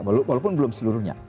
walaupun belum seluruhnya